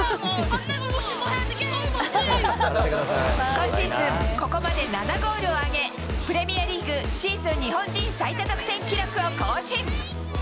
今シーズン、ここまで７ゴールを挙げ、プレミアリーグシーズン日本人最多得点記録を更新。